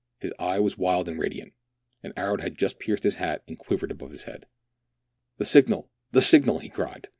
His eye was wild and radiant : an arrow had just pierced his hat and quivered above his head. " The signal I the signal!" he cried.